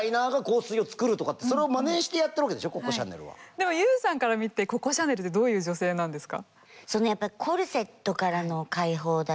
でもＹＯＵさんから見てココ・シャネルってどういう女性なんですか？